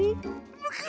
むく！